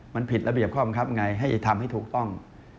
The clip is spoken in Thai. มันผิดระเบียบข้อบังคับไงให้ทำให้ถูกต้อง